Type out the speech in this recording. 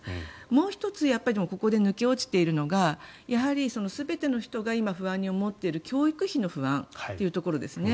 もう１つここで抜け落ちているのが全ての人が今、不安に思っている教育費の不安というところですね。